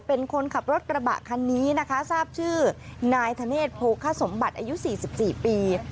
เป็นคนขับรถกระบะคันนี้นะคะทราบชื่อนายธเนธโพคสมบัติอายุ๔๔ปี